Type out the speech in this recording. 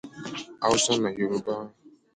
Hausa na Yoruba."